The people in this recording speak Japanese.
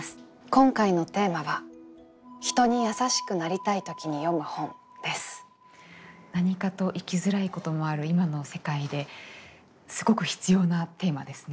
今回のテーマは何かと生きづらいこともある今の世界ですごく必要なテーマですね。